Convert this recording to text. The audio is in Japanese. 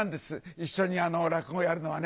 一緒に落語をやるのはね。